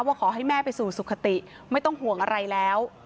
ขอให้แม่ไปสู่สุขติไม่ต้องห่วงอะไรแล้ว